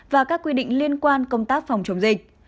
và các quy định liên quan công tác phòng chống dịch